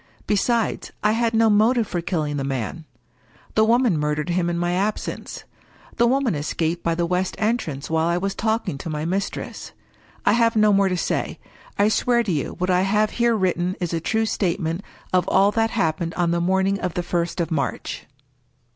Besides, I had no motive for killing the man. The woman mur dered him in my absence. The woman escaped by the west entrance while I was talking to my mistress. I have no more to say. I swear to you what I have here written is a true statement of all that happened on the morning of the first of March.